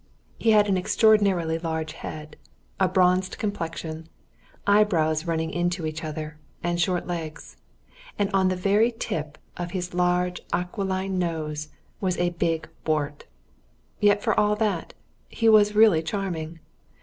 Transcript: He had an extraordinarily large head, a bronzed complexion, eyebrows running into each other, and short legs; and on the very tip of his large aquiline nose was a big wart. Yet, for all that, he was really charming.